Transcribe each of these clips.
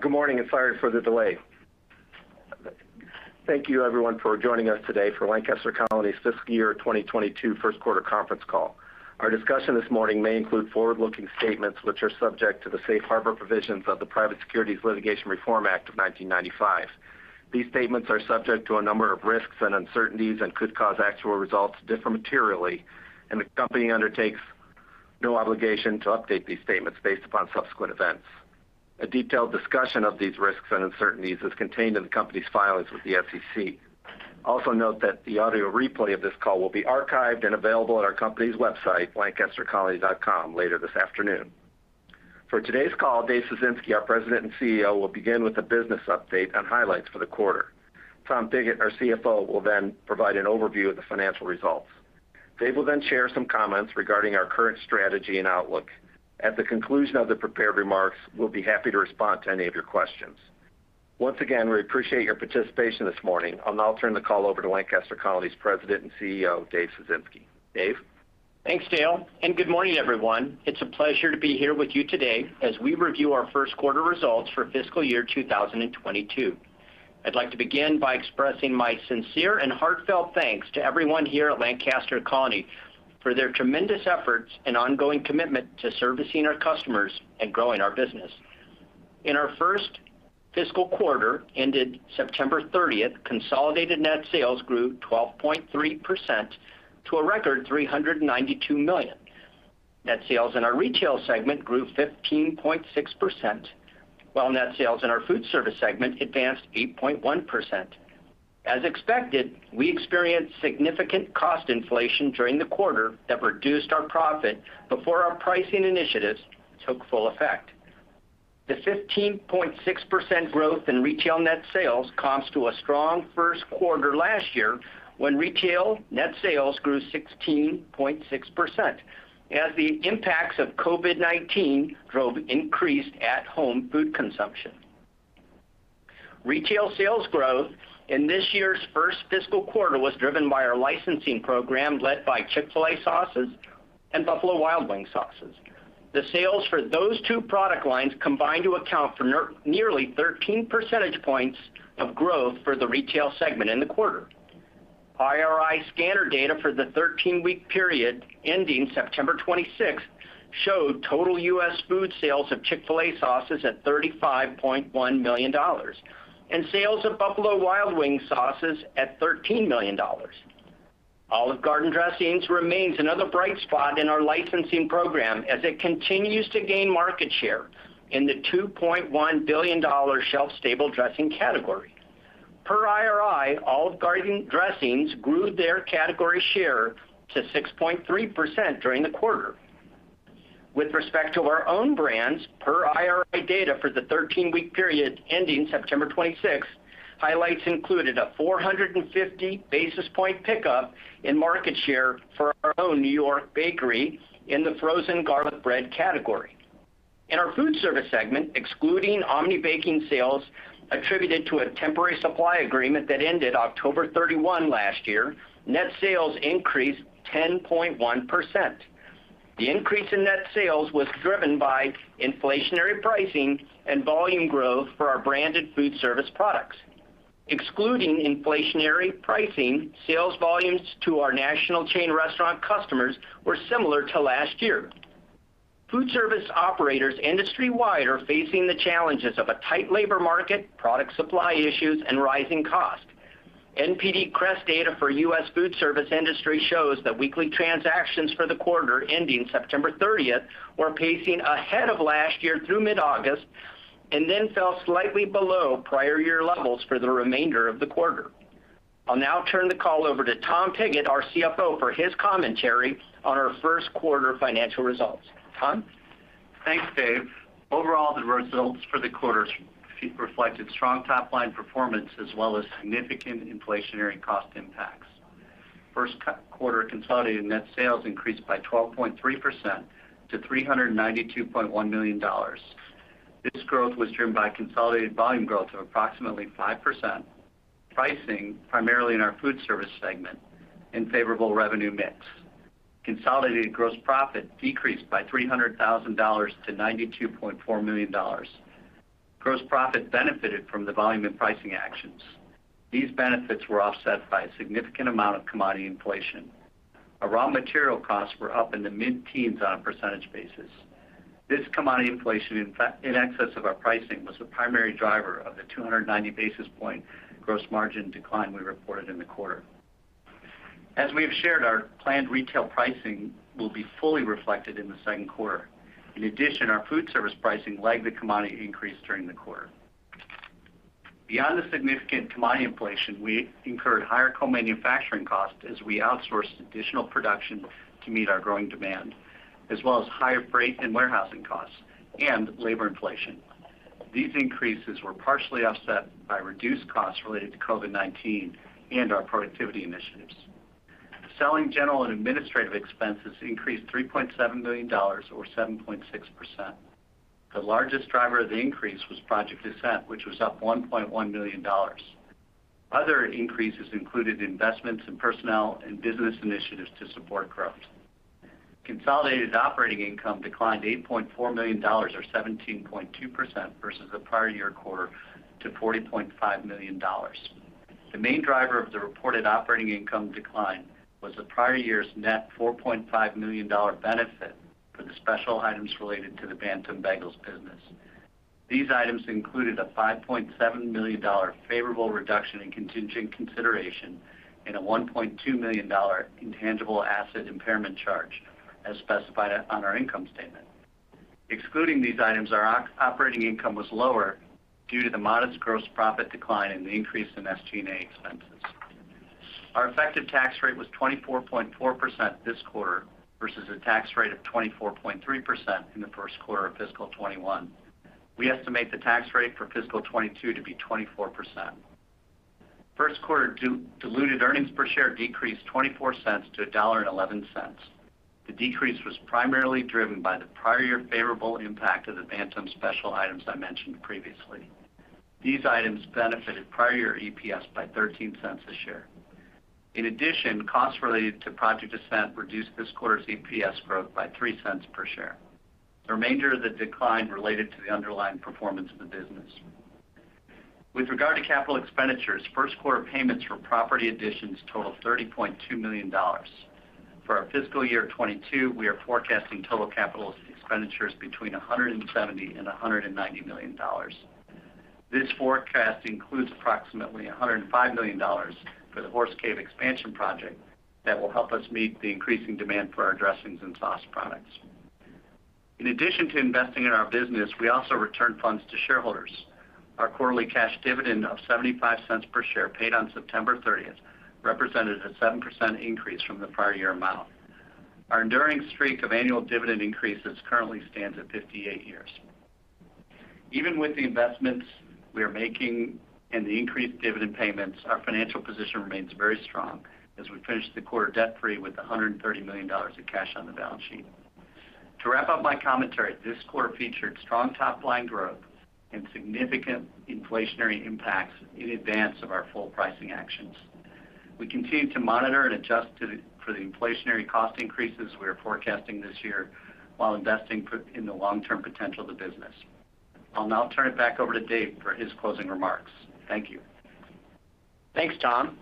Good morning and sorry for the delay. Thank you everyone for joining us today for Lancaster Colony's fiscal year 2022 first quarter conference call. Our discussion this morning may include forward-looking statements which are subject to the safe harbor provisions of the Private Securities Litigation Reform Act of 1995. These statements are subject to a number of risks and uncertainties and could cause actual results to differ materially, and the company undertakes no obligation to update these statements based upon subsequent events. A detailed discussion of these risks and uncertainties is contained in the company's filings with the SEC. Also note that the audio replay of this call will be archived and available on our company's website, lancastercolony.com, later this afternoon. For today's call, Dave Ciesinski, our President and CEO, will begin with a business update and highlights for the quarter. Tom Pigott, our CFO, will then provide an overview of the financial results. Dave will then share some comments regarding our current strategy and outlook. At the conclusion of the prepared remarks, we'll be happy to respond to any of your questions. Once again, we appreciate your participation this morning. I'll now turn the call over to Lancaster Colony's President and CEO, Dave Ciesinski. Dave? Thanks, Dale, and good morning, everyone. It's a pleasure to be here with you today as we review our first quarter results for fiscal year 2022. I'd like to begin by expressing my sincere and heartfelt thanks to everyone here at Lancaster Colony for their tremendous efforts and ongoing commitment to servicing our customers and growing our business. In our first fiscal quarter ended September 30th, consolidated net sales grew 12.3% to a record $392 million. Net sales in our Retail segment grew 15.6%, while net sales in our Foodservice segment advanced 8.1%. As expected, we experienced significant cost inflation during the quarter that reduced our profit before our pricing initiatives took full effect. The 15.6% growth in retail net sales comps to a strong first quarter last year when retail net sales grew 16.6% as the impacts of COVID-19 drove increased at-home food consumption. Retail sales growth in this year's first fiscal quarter was driven by our licensing program led by Chick-fil-A sauces and Buffalo Wild Wings sauces. The sales for those two product lines combined to account for nearly 13 percentage points of growth for the retail segment in the quarter. IRI scanner data for the 13-week period ending September 26th showed total U.S. food sales of Chick-fil-A sauces at $35.1 million, and sales of Buffalo Wild Wings sauces at $13 million. Olive Garden dressings remains another bright spot in our licensing program as it continues to gain market share in the $2.1 billion shelf-stable dressing category. Per IRI, Olive Garden dressings grew their category share to 6.3% during the quarter. With respect to our own brands, per IRI data for the 13-week period ending September 26, highlights included a 450 basis point pickup in market share for our own New York Bakery in the frozen garlic bread category. In our food service segment, excluding Omni Baking sales attributed to a temporary supply agreement that ended October 31 last year, net sales increased 10.1%. The increase in net sales was driven by inflationary pricing and volume growth for our branded food service products. Excluding inflationary pricing, sales volumes to our national chain restaurant customers were similar to last year. Food service operators industry-wide are facing the challenges of a tight labor market, product supply issues, and rising costs. NPD CREST data for U.S. food service industry shows that weekly transactions for the quarter ending September 30th were pacing ahead of last year through mid-August, and then fell slightly below prior year levels for the remainder of the quarter. I'll now turn the call over to Tom Pigott, our CFO, for his commentary on our first quarter financial results. Tom? Thanks, Dave. Overall, the results for the quarter reflected strong top-line performance as well as significant inflationary cost impacts. First quarter consolidated net sales increased by 12.3% to $392.1 million. This growth was driven by consolidated volume growth of approximately 5%, pricing, primarily in our food service segment, and favorable revenue mix. Consolidated gross profit decreased by $300,000-$92.4 million. Gross profit benefited from the volume and pricing actions. These benefits were offset by a significant amount of commodity inflation. Our raw material costs were up in the mid-teens%. This commodity inflation in excess of our pricing was the primary driver of the 290 basis point gross margin decline we reported in the quarter. As we have shared, our planned retail pricing will be fully reflected in the second quarter. In addition, our food service pricing lagged the commodity increase during the quarter. Beyond the significant commodity inflation, we incurred higher co-manufacturing costs as we outsourced additional production to meet our growing demand, as well as higher freight and warehousing costs and labor inflation. These increases were partially offset by reduced costs related to COVID-19 and our productivity initiatives. Selling, general, and administrative expenses increased $3.7 million or 7.6%. The largest driver of the increase was Project Ascent, which was up $1.1 million. Other increases included investments in personnel and business initiatives to support growth. Consolidated operating income declined to $8.4 million or 17.2% versus the prior year quarter to $40.5 million. The main driver of the reported operating income decline was the prior year's net $4.5 million benefit for the special items related to the Bantam Bagels business. These items included a $5.7 million favorable reduction in contingent consideration and a $1.2 million intangible asset impairment charge as specified on our income statement. Excluding these items, our operating income was lower due to the modest gross profit decline and the increase in SG&A expenses. Our effective tax rate was 24.4% this quarter versus a tax rate of 24.3% in the first quarter of fiscal 2021. We estimate the tax rate for fiscal 2022 to be 24%. First quarter diluted earnings per share decreased $0.24-$1.11. The decrease was primarily driven by the prior year favorable impact of the Bantam special items I mentioned previously. These items benefited prior year EPS by $0.13 per share. In addition, costs related to Project Ascent reduced this quarter's EPS growth by $0.03 Per share. The remainder of the decline related to the underlying performance of the business. With regard to capital expenditures, first quarter payments for property additions totaled $30.2 million. For our fiscal year 2022, we are forecasting total capital expenditures between $170 million and $190 million. This forecast includes approximately $105 million for the Horse Cave expansion project that will help us meet the increasing demand for our dressings and sauce products. In addition to investing in our business, we also returned funds to shareholders. Our quarterly cash dividend of $0.75 per share paid on September 30th represented a 7% increase from the prior year amount. Our enduring streak of annual dividend increases currently stands at 58 years. Even with the investments we are making and the increased dividend payments, our financial position remains very strong as we finished the quarter debt free with $130 million of cash on the balance sheet. To wrap up my commentary, this quarter featured strong top line growth and significant inflationary impacts in advance of our full pricing actions. We continue to monitor and adjust for the inflationary cost increases we are forecasting this year while investing in the long-term potential of the business. I'll now turn it back over to Dave for his closing remarks. Thank you. Thanks, Tom.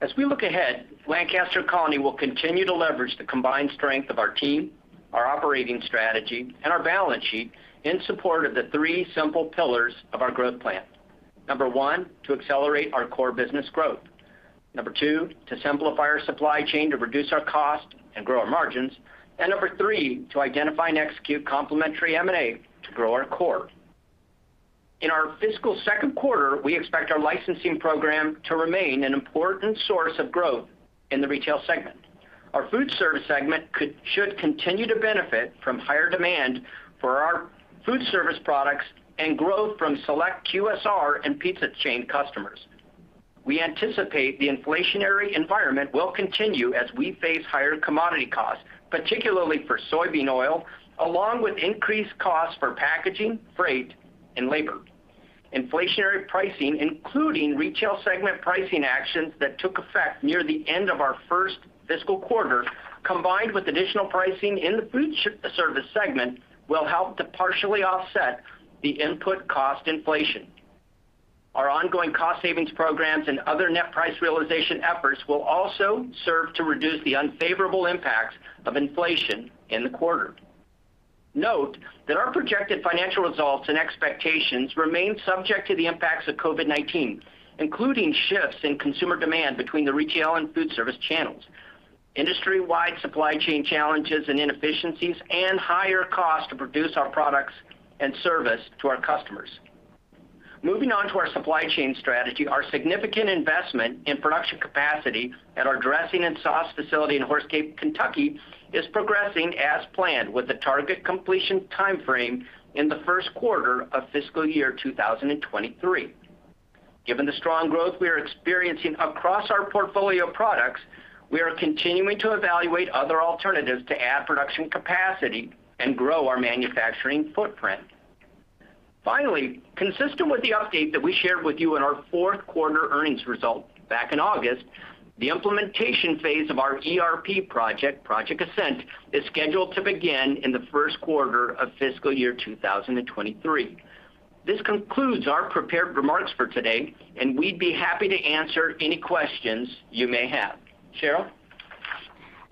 As we look ahead, Lancaster Colony will continue to leverage the combined strength of our team, our operating strategy, and our balance sheet in support of the three simple pillars of our growth plan. Number one, to accelerate our core business growth. Number two, to simplify our supply chain to reduce our cost and grow our margins. Number three, to identify and execute complementary M&A to grow our core. In our fiscal second quarter, we expect our licensing program to remain an important source of growth in the retail segment. Our food service segment should continue to benefit from higher demand for our food service products and growth from select QSR and pizza chain customers. We anticipate the inflationary environment will continue as we face higher commodity costs, particularly for soybean oil, along with increased costs for packaging, freight, and labor. Inflationary pricing, including retail segment pricing actions that took effect near the end of our first fiscal quarter, combined with additional pricing in the food service segment, will help to partially offset the input cost inflation. Our ongoing cost savings programs and other net price realization efforts will also serve to reduce the unfavorable impacts of inflation in the quarter. Note that our projected financial results and expectations remain subject to the impacts of COVID-19, including shifts in consumer demand between the retail and food service channels, industry-wide supply chain challenges and inefficiencies, and higher costs to produce our products and service to our customers. Moving on to our supply chain strategy, our significant investment in production capacity at our dressing and sauce facility in Horse Cave, Kentucky, is progressing as planned with the target completion timeframe in the first quarter of fiscal year 2023. Given the strong growth we are experiencing across our portfolio of products, we are continuing to evaluate other alternatives to add production capacity and grow our manufacturing footprint. Finally, consistent with the update that we shared with you in our fourth quarter earnings results back in August, the implementation phase of our ERP project, Project Ascent, is scheduled to begin in the first quarter of fiscal year 2023. This concludes our prepared remarks for today, and we'd be happy to answer any questions you may have.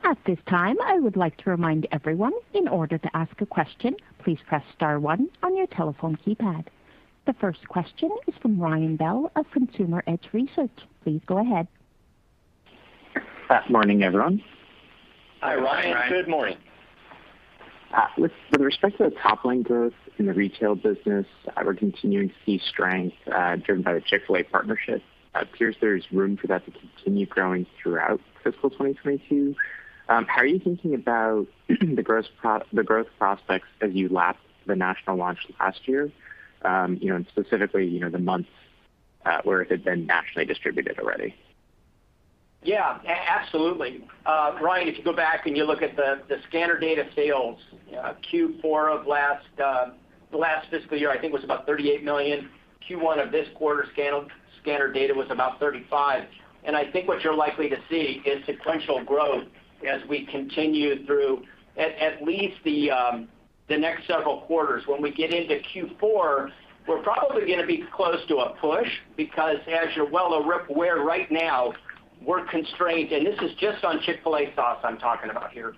Cheryl? At this time, I would like to remind everyone in order to ask a question, please press star one on your telephone keypad. The first question is from Ryan Bell of Consumer Edge Research. Please go ahead. Good morning, everyone. Hi, Ryan. Good morning. Hi, Ryan. With respect to the top line growth in the retail business, we're continuing to see strength driven by the Chick-fil-A partnership. It appears there's room for that to continue growing throughout fiscal 2022. How are you thinking about the growth prospects as you lap the national launch last year, you know, and specifically, you know, the months where it had been nationally distributed already? Yeah, absolutely. Ryan, if you go back and you look at the scanner data sales, Q4 of last fiscal year, I think, was about $38 million. Q1 of this quarter, scanner data was about $35 million. I think what you're likely to see is sequential growth as we continue through at least the next several quarters. When we get into Q4, we're probably gonna be close to a push because as you're well aware right now, we're constrained. This is just on Chick-fil-A sauce I'm talking about here.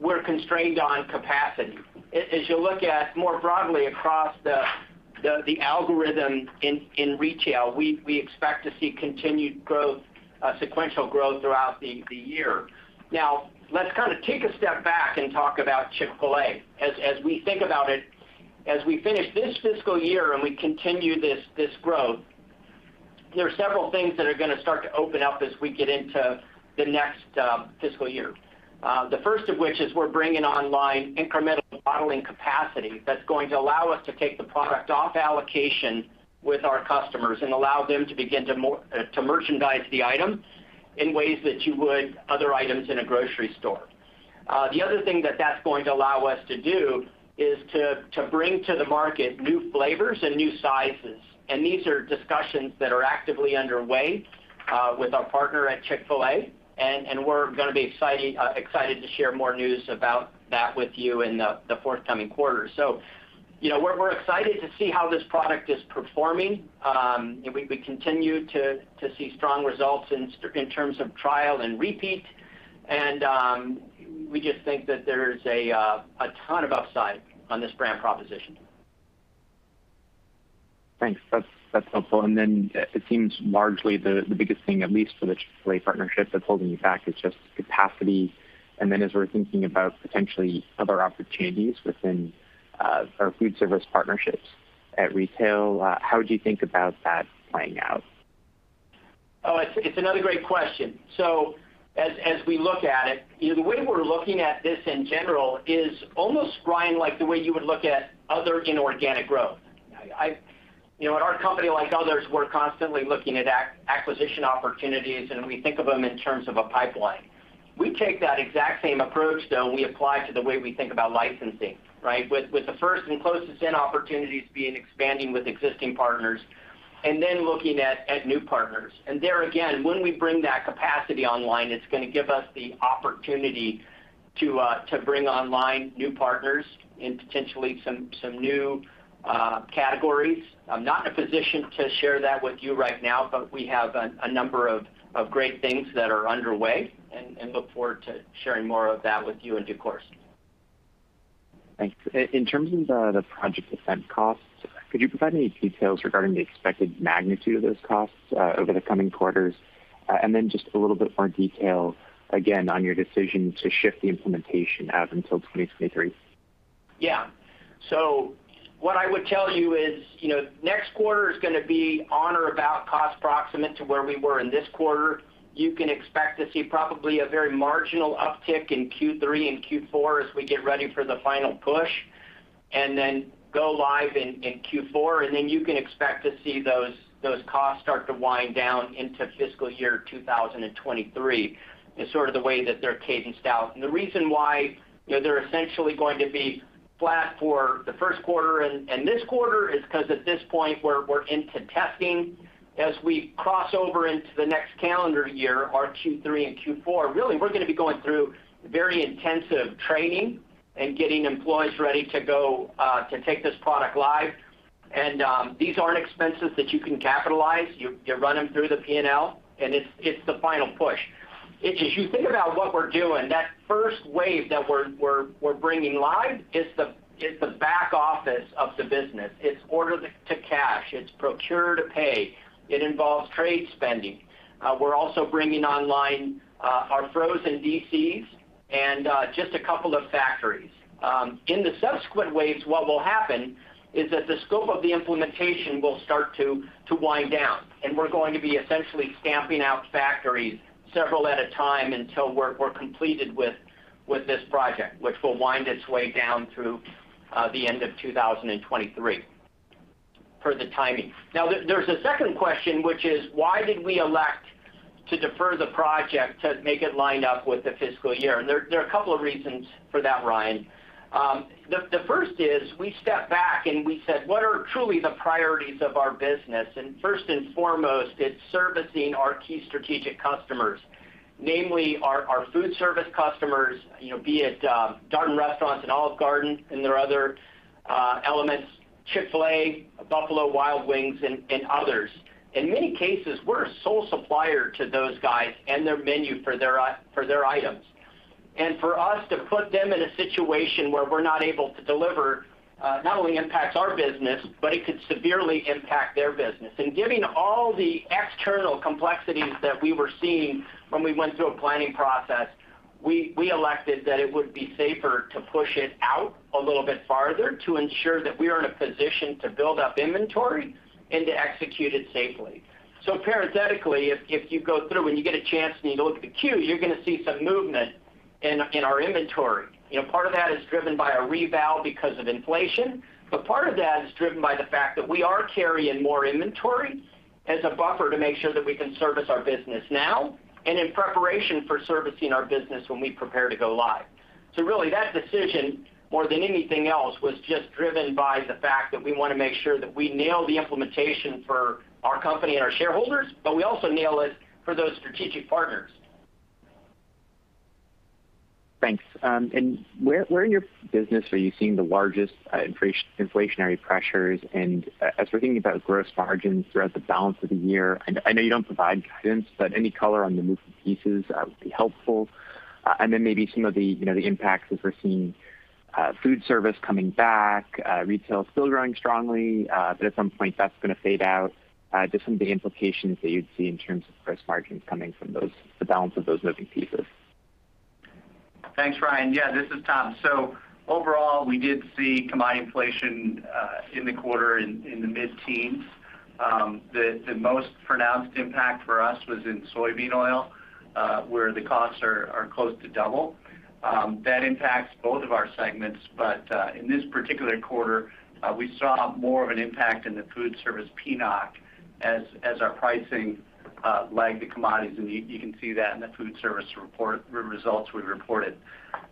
We're constrained on capacity. As you look at more broadly across the algorithm in retail, we expect to see continued growth, sequential growth throughout the year. Now let's kinda take a step back and talk about Chick-fil-A. As we think about it, as we finish this fiscal year and we continue this growth, there are several things that are gonna start to open up as we get into the next fiscal year. The first of which is we're bringing online incremental bottling capacity that's going to allow us to take the product off allocation with our customers and allow them to begin to merchandise the item in ways that you would with other items in a grocery store. The other thing that that's going to allow us to do is to bring to the market new flavors and new sizes. These are discussions that are actively underway with our partner at Chick-fil-A, and we're gonna be excited to share more news about that with you in the forthcoming quarter. You know, we're excited to see how this product is performing. We continue to see strong results in terms of trial and repeat. We just think that there's a ton of upside on this brand proposition. Thanks. That's helpful. It seems largely the biggest thing, at least for the Chick-fil-A partnership that's holding you back, is just capacity. As we're thinking about potentially other opportunities within our food service partnerships at retail, how would you think about that playing out? Oh, it's another great question. As we look at it, you know, the way we're looking at this in general is almost, Ryan, like the way you would look at other inorganic growth. You know, at our company, like others, we're constantly looking at acquisition opportunities, and we think of them in terms of a pipeline. We take that exact same approach, though, and we apply it to the way we think about licensing, right? With the first and closest in opportunities being expanding with existing partners and then looking at new partners. There again, when we bring that capacity online, it's gonna give us the opportunity to bring online new partners in potentially some new categories. I'm not in a position to share that with you right now, but we have a number of great things that are underway and look forward to sharing more of that with you in due course. Thanks. In terms of the Project Ascent costs, could you provide any details regarding the expected magnitude of those costs over the coming quarters? Just a little bit more detail, again, on your decision to shift the implementation out until 2023. Yeah. What I would tell you is, you know, next quarter is gonna be on or about cost proximate to where we were in this quarter. You can expect to see probably a very marginal uptick in Q3 and Q4 as we get ready for the final push and then go live in Q4, and then you can expect to see those costs start to wind down into fiscal year 2023, is sort of the way that they're cadenced out. The reason why, you know, they're essentially going to be flat for the first quarter and this quarter is 'cause at this point we're into testing. As we cross over into the next calendar year, our Q3 and Q4, really, we're gonna be going through very intensive training and getting employees ready to go to take this product live. These aren't expenses that you can capitalize. You run them through the P&L, and it's the final push. As you think about what we're doing, that first wave that we're bringing live is the back office of the business. It's order to cash. It's procure to pay. It involves trade spending. We're also bringing online our frozen DCs and just a couple of factories. In the subsequent waves, what will happen is that the scope of the implementation will start to wind down, and we're going to be essentially stamping out factories several at a time until we're completed with this project, which will wind its way down through the end of 2023 per the timing. Now, there's a second question, which is why did we elect to defer the project to make it line up with the fiscal year? There are a couple of reasons for that, Ryan. The first is we stepped back and we said, "What are truly the priorities of our business?" First and foremost, it's servicing our key strategic customers. Namely our food service customers, be it Darden Restaurants and Olive Garden and their other elements, Chick-fil-A, Buffalo Wild Wings and others. In many cases, we're a sole supplier to those guys and their menu for their items. For us to put them in a situation where we're not able to deliver, not only impacts our business, but it could severely impact their business. Given all the external complexities that we were seeing when we went through a planning process, we elected that it would be safer to push it out a little bit farther to ensure that we are in a position to build up inventory and to execute it safely. Parenthetically, if you go through, when you get a chance and you look at the Q, you're gonna see some movement in our inventory. You know, part of that is driven by a reval because of inflation, but part of that is driven by the fact that we are carrying more inventory as a buffer to make sure that we can service our business now and in preparation for servicing our business when we prepare to go live. Really that decision, more than anything else, was just driven by the fact that we wanna make sure that we nail the implementation for our company and our shareholders, but we also nail it for those strategic partners. Thanks. Where in your business are you seeing the largest inflationary pressures? As we're thinking about gross margins throughout the balance of the year, I know you don't provide guidance, but any color on the moving pieces would be helpful. Then maybe some of the, you know, the impacts as we're seeing food service coming back, retail still growing strongly, but at some point that's gonna fade out. Just some of the implications that you'd see in terms of gross margins coming from the balance of those moving pieces. Thanks, Ryan. Yeah, this is Tom. Overall, we did see commodity inflation in the quarter in the mid-teens%. The most pronounced impact for us was in soybean oil, where the costs are close to double. That impacts both of our segments, but in this particular quarter, we saw more of an impact in the foodservice PNOC as our pricing lagged the commodities, and you can see that in the foodservice results we reported.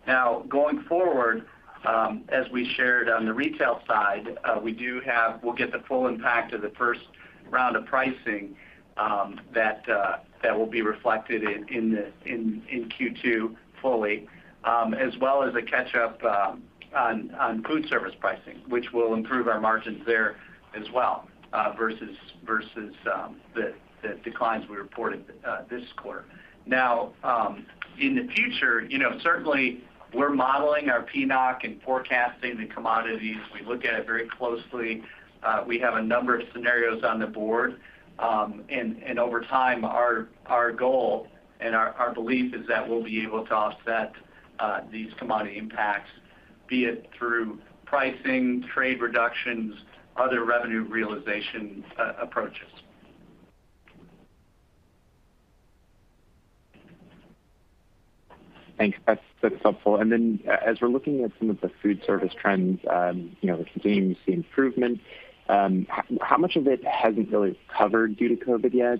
Now, going forward, as we shared on the retail side, we'll get the full impact of the first round of pricing that will be reflected in Q2 fully, as well as a catch-up on food service pricing, which will improve our margins there as well, versus the declines we reported this quarter. Now, in the future, you know, certainly we're modeling our PNOC and forecasting the commodities. We look at it very closely. We have a number of scenarios on the board, and over time, our goal and our belief is that we'll be able to offset these commodity impacts, be it through pricing, trade reductions, other revenue realization approaches. Thanks. That's helpful. As we're looking at some of the food service trends, you know, we're continuing to see improvement, how much of it hasn't really recovered due to COVID yet?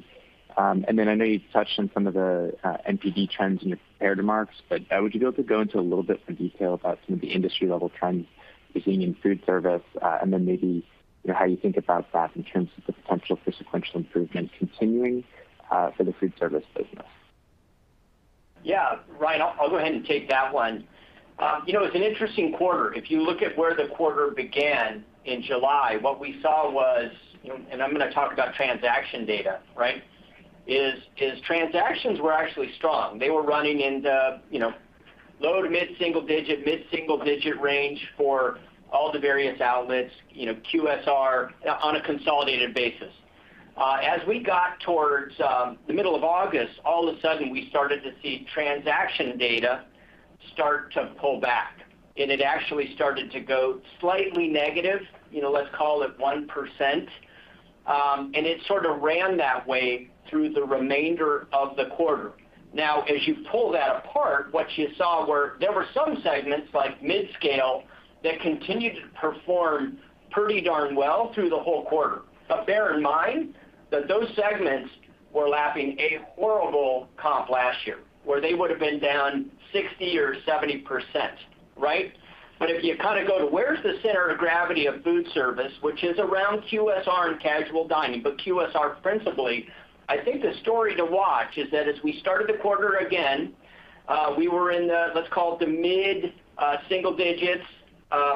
I know you touched on some of the NPD trends in your prepared remarks, but would you be able to go into a little bit more detail about some of the industry level trends you're seeing in food service, and then maybe, you know, how you think about that in terms of the potential for sequential improvement continuing for the food service business? Yeah. Ryan, I'll go ahead and take that one. You know, it's an interesting quarter. If you look at where the quarter began in July, what we saw was, and I'm gonna talk about transaction data, right? Transactions were actually strong. They were running in the low- to mid-single-digit range for all the various outlets, you know, QSR on a consolidated basis. As we got towards the middle of August, all of a sudden we started to see transaction data start to pull back, and it actually started to go slightly negative, you know, let's call it 1%. It sort of ran that way through the remainder of the quarter. As you pull that apart, what you saw were some segments like mid-scale that continued to perform pretty darn well through the whole quarter. Bear in mind that those segments were lapping a horrible comp last year, where they would've been down 60% or 70%, right? If you kinda go to where's the center of gravity of food service, which is around QSR and casual dining, but QSR principally, I think the story to watch is that as we started the quarter, again, we were in the, let's call it the mid single digits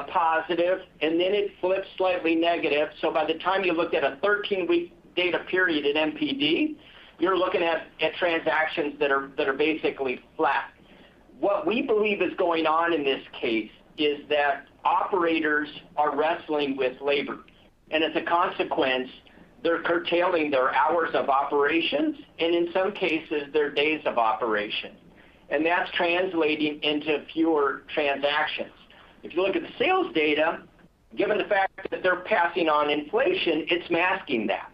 positive, and then it flipped slightly negative. By the time you looked at a 13-week data period at NPD, you're looking at transactions that are basically flat. What we believe is going on in this case is that operators are wrestling with labor. As a consequence, they're curtailing their hours of operations, and in some cases, their days of operation. That's translating into fewer transactions. If you look at the sales data, given the fact that they're passing on inflation, it's masking that.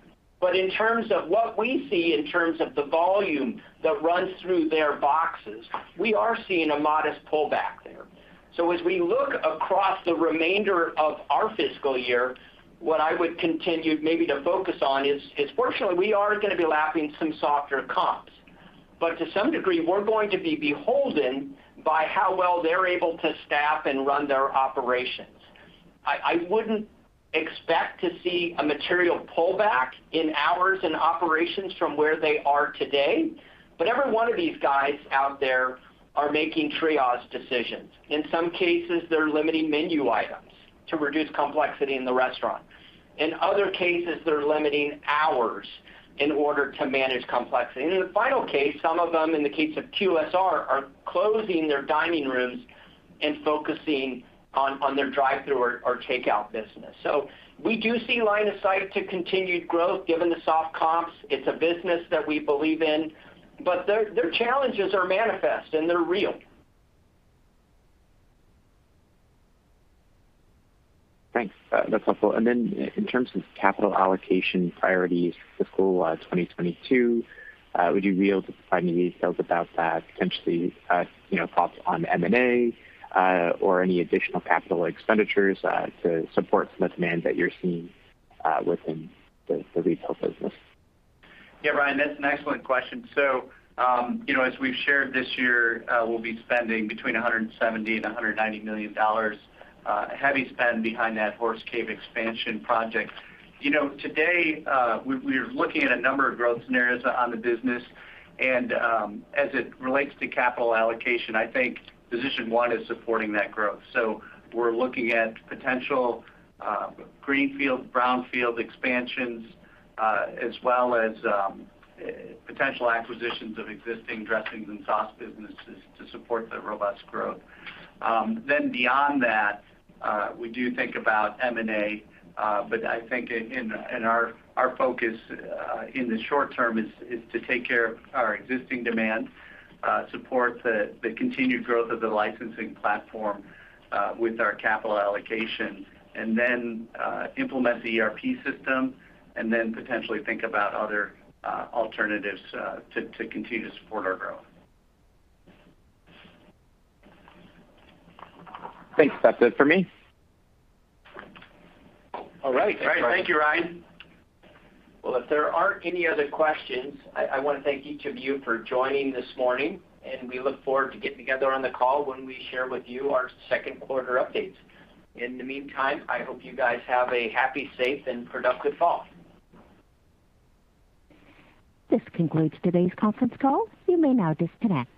In terms of what we see in terms of the volume that runs through their boxes, we are seeing a modest pullback there. As we look across the remainder of our fiscal year, what I would continue maybe to focus on is fortunately, we are gonna be lapping some softer comps. To some degree, we're going to be beholden by how well they're able to staff and run their operations. I wouldn't expect to see a material pullback in hours and operations from where they are today, but every one of these guys out there are making triage decisions. In some cases, they're limiting menu items to reduce complexity in the restaurant. In other cases, they're limiting hours in order to manage complexity. In the final case, some of them, in the case of QSR, are closing their dining rooms and focusing on their drive-through or takeout business. We do see line of sight to continued growth given the soft comps. It's a business that we believe in, but their challenges are manifest, and they're real. Thanks. That's helpful. In terms of capital allocation priorities, fiscal 2022, would you be able to provide any details about that, potentially, you know, thoughts on M&A, or any additional capital expenditures, to support some of the demand that you're seeing, within the retail business? Yeah, Ryan, that's an excellent question. You know, as we've shared this year, we'll be spending between $170 million and $190 million, heavy spend behind that Horse Cave expansion project. You know, today, we're looking at a number of growth scenarios on the business. As it relates to capital allocation, I think position one is supporting that growth. We're looking at potential greenfield, brownfield expansions, as well as potential acquisitions of existing dressings and sauce businesses to support the robust growth. Beyond that, we do think about M&A, but I think, and our focus in the short term is to take care of our existing demand, support the continued growth of the licensing platform with our capital allocation, and then implement the ERP system, and then potentially think about other alternatives to continue to support our growth. Thanks. That's it for me. All right. Thank you, Ryan. Well, if there aren't any other questions, I wanna thank each of you for joining this morning, and we look forward to getting together on the call when we share with you our second quarter updates. In the meantime, I hope you guys have a happy, safe, and productive fall. This concludes today's conference call. You may now disconnect.